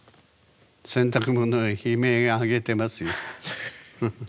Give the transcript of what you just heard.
洗濯物は悲鳴上げてますよ。